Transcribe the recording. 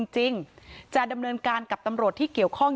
จริงจะดำเนินการกับตำรวจที่เกี่ยวข้อง